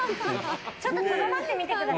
ちょっととどまってみてください。